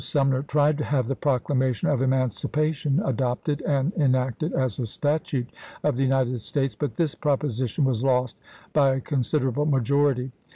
Sumner tried to have the Proclamation of Emancipation adopted and en acted as a statute of the United States, but this proposition was lost by a considerable majority.